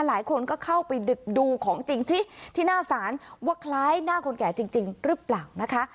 หลายคนก็เข้าไปดึกดูของจริงที่หน้าศาลว่าคล้ายหน้าคนแก่จริงหรือเปล่านะคะ